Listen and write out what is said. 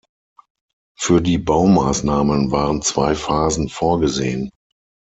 Für die Baumaßnahmen waren zwei Phasen vorgesehen.